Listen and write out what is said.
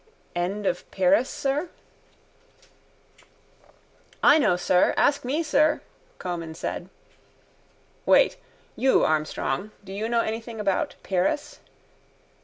—End of Pyrrhus, sir? —I know, sir. Ask me, sir, Comyn said. —Wait. You, Armstrong. Do you know anything about Pyrrhus?